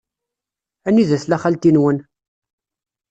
Anida tella xalti-nwen?